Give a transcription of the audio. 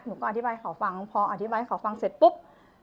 หนูก็อธิบายเขาฟังพออธิบายให้เขาฟังเสร็จปุ๊บ